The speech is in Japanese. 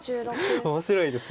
面白いです。